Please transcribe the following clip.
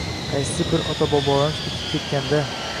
Qaysi bir... ota-bobolarimiz ekib ketgan-da?